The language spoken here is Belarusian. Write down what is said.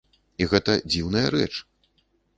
І гэта дзіўная рэч!